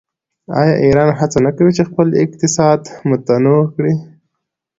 آیا ایران هڅه نه کوي چې خپل اقتصاد متنوع کړي؟